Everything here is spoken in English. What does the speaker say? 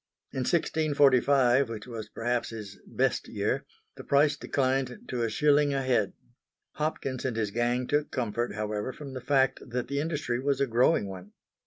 In 1645, which was perhaps his "best" year, the price declined to a shilling a head. Hopkins and his gang took comfort, however, from the fact that the industry was a growing one.